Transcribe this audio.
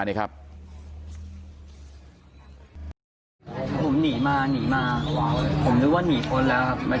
ผมหนีมาผมรู้ว่าหนีโคะลแล้วครับ